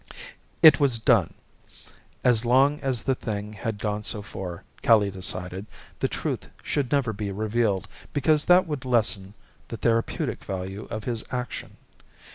It was done. As long as the thing had gone so far, Kelly decided, the truth should never be revealed because that would lessen the therapeutic value of his action.